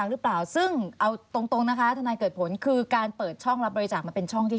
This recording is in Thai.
คือเพราะโดนมาหลายรอบแล้วเรื่องเงิน